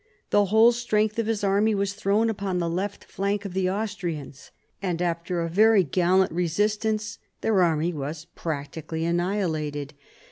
The whole strength of his army was thrown upon the left flank of the Austrians, and after a very gallant resistance their army was practically annihilated.